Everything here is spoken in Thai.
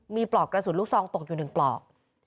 มีปลอกกระสุนลูกซองตกอยู่๑ปลอก